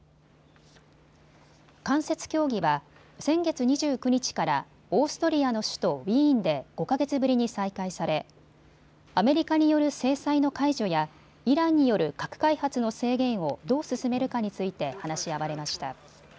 間接協議は先月２９日からオーストリアの首都ウィーンで５か月ぶりに再開されアメリカによる制裁の解除やイランによる核開発の制限をどう進めるかについて話し合われました。